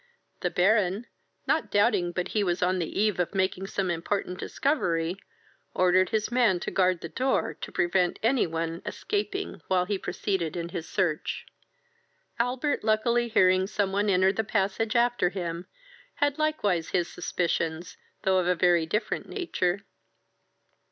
The Baron, not doubting but he was on the eve of making some important discovery, ordered his man to guard the door, to prevent any one escaping while he proceeded in his search. Albert, luckily hearing some one enter the passage after him, had likewise his suspicions, though of a very different nature.